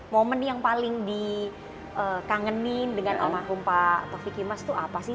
momen yang paling dikangenin dengan almarhum pak taufik imas itu apa sih